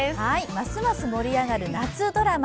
ますます盛り上がる夏ドラマ。